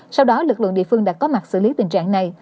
sau đó lực lượng địa phương đã có mặt xử lý tình trạng này